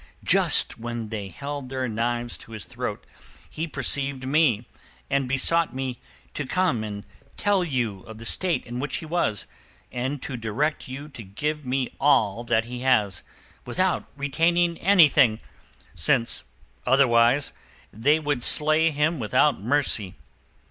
Just when they held their knives to his throat he perceived me, and besought me to come and tell you of the state in which he was, and to direct you to give me all that he has, without retaining anything, since otherwise they would slay him without mercy.